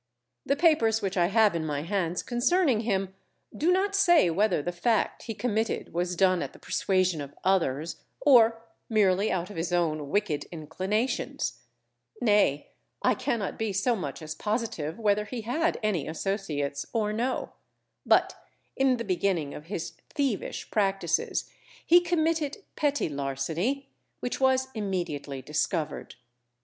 The papers which I have in my hands concerning him, do not say whether the fact he committed was done at the persuasion of others, or merely out of his own wicked inclinations; nay, I cannot be so much as positive whether he had any associates or no; but in the beginning of his thievish practices, he committed petit larceny, which was immediately discovered.